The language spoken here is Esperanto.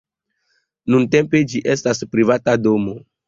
Nuntempe ĝi estas privata domo.